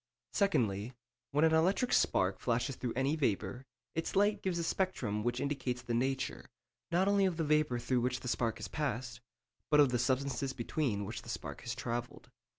Secondly, when an electric spark flashes through any vapour, its light gives a spectrum which indicates the nature, not only of the vapour through which the spark has passed, but of the substances between which the spark has travelled.